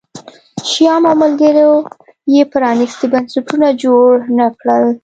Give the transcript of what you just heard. شیام او ملګرو یې پرانیستي بنسټونه جوړ نه کړل